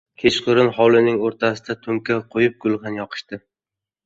Kechqurun hovlining o‘rtasida to‘nka qo‘yib gulxan yoqishdi.